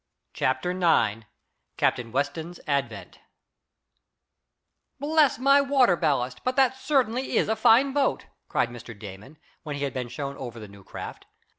Chapter Nine Captain Weston's Advent "Bless my water ballast, but that certainly is a fine boat!" cried Mr. Damon, when he had been shown over the new craft.